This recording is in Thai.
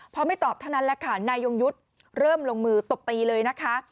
พอไม่ตอบเท่านั้นแหละค่ะนายยงยุทธ์เริ่มลงมือตบตีเลยนะคะ